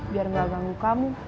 biar gak ganggu kamu